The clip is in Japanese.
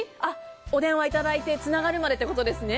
お電話いただいてつながるまでということですね。